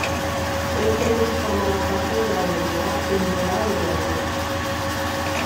Este evento formaba parte de la denominada "Temporada de la Belleza".